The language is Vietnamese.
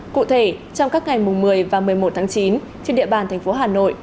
cụ thể trong các ngày một mươi và một mươi một tháng chín trên địa bàn thành phố hà nội